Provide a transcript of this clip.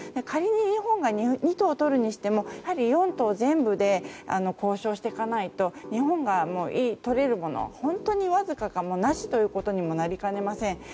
仮に日本が２島をとるにしても４島全部で交渉していかないと日本がとれるもの本当にわずかかなしということにもなりかねません。